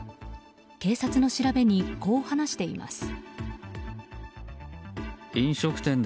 警察の調べに、こう話しています。